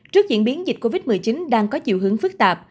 trước diễn biến dịch covid một mươi chín đang có chiều hướng phức tạp